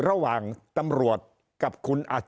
ระหว่างตำรวจกับคุณอาชิ